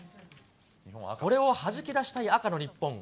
これをはじき出したい赤の日本。